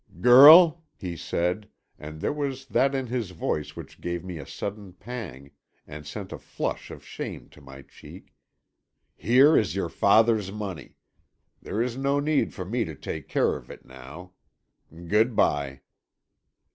"Girl," he said, and there was that in his voice which gave me a sudden pang, and sent a flush of shame to my cheek, "here is your father's money. There is no need for me to take care of it now. Good bye."